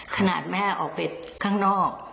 ขนาดแม่ออกไปข้างนอก